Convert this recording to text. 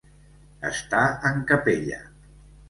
Estar en capella.